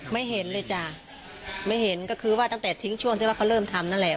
ไม่เห็นเลยจ้ะไม่เห็นก็คือว่าตั้งแต่ทิ้งช่วงที่ว่าเขาเริ่มทำนั่นแหละ